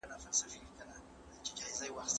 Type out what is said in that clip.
نن سبا علوم په دوه ډوله وېشل سوي دي.